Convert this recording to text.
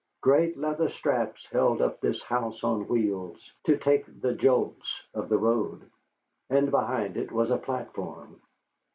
Great leather straps held up this house on wheels, to take the jolts of the road. And behind it was a platform.